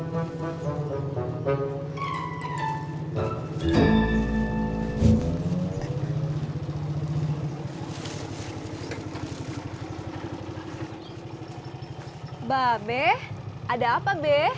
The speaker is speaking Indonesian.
mbak be ada apa be